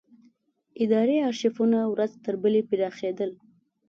اداري ارشیفونه ورځ تر بلې پراخېدل.